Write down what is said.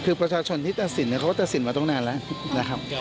คือประชาชนที่ตัดสินเขาก็ตัดสินมาตั้งนานแล้วนะครับ